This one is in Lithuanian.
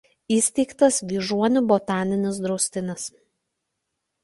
Įsteigtas Vyžuonų botaninis draustinis.